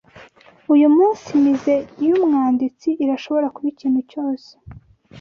Uyu munsi muse yumwanditsi irashobora kuba ikintu cyose